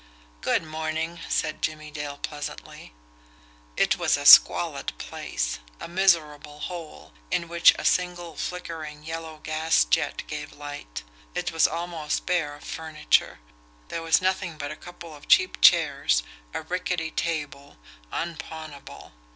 "Good morning," said Jimmie Dale pleasantly. It was a squalid place, a miserable hole, in which a single flickering, yellow gas jet gave light. It was almost bare of furniture; there was nothing but a couple of cheap chairs, a rickety table unpawnable.